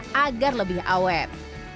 tekstur sejadah agar lebih awet